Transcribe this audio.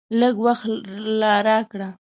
لږ وخت لا راکړه !